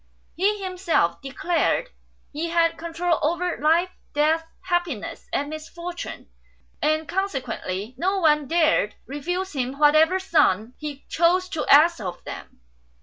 He himself declared he had control over life, death, happiness, and misfortune ; and consequently no one dared refuse him whatever sum he chose to ask of them.